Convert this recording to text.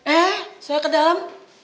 eh saya ke dalam